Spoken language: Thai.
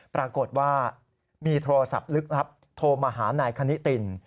ปรากฏว่ามีโทรศัพท์ลึกลับโทรมาหานายคณิติน